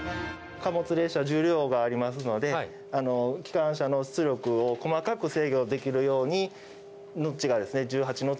貨物列車重量がありますので機関車の出力を細かく制御できるようにノッチがですね１８ノッチまで。